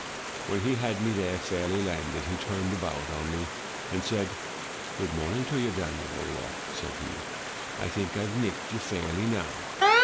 "When he had me there fairly landed, he turned about on me, and said, *Good morning to you, Daniel O'Rourke,* said he; *I think Tve nicked you fairly now.